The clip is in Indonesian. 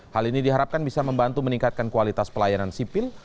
hal ini diharapkan bisa membantu meningkatkan kualitas pelayanan sipil